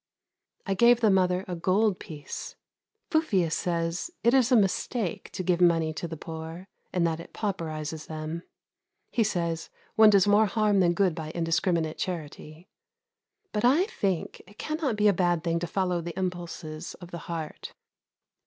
I gave the mother a gold piece. Fufius says it is a mistake to give money to the poor, and that it pauperises them. He says one does more harm than good by indiscriminate charity. But I think it cannot be a bad thing to follow the impulses of the heart.